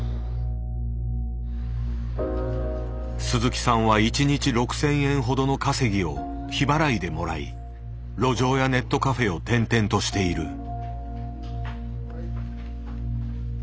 鈴木さんは一日６，０００円ほどの稼ぎを日払いでもらい路上やネットカフェを転々としている。